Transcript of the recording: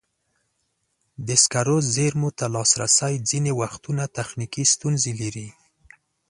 د سکرو زېرمو ته لاسرسی ځینې وختونه تخنیکي ستونزې لري.